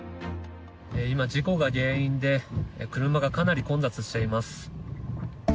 今、事故が原因で車がかなり混雑しています。